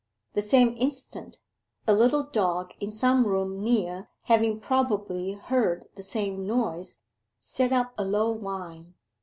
The same instant, a little dog in some room near, having probably heard the same noise, set up a low whine.